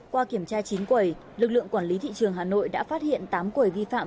qua kiểm tra chín quầy lực lượng quản lý thị trường hà nội đã phát hiện tám quầy vi phạm